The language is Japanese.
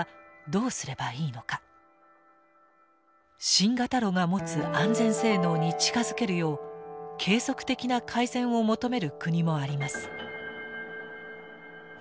新型炉が持つ安全性能に近づけるよう継続的な改善を求める国もあります。